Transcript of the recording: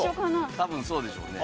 多分そうでしょうね。